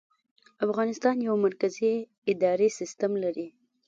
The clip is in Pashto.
افغانستان یو مرکزي اداري سیستم لري